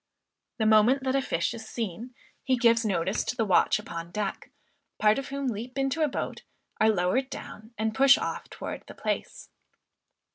The moment that a fish is seen, he gives notice to the "watch upon deck," part of whom leap into a boat, are lowered down, and push off towards the place.